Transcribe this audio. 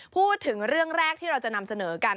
พูดถึงเรื่องแรกที่เราจะนำเสนอกัน